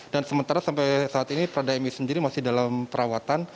dan sementara sampai saat ini prada mi sendiri masih dalam perawatan